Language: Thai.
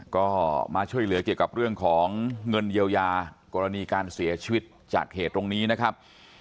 ก็มาช่วยเหลือเกี่ยวกับเรื่องของเงินเยียวยากรณีการเสียชีวิตจากเหตุตรงนี้นะครับ